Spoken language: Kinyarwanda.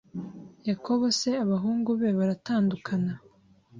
Yakobo se abahungu be baratandukana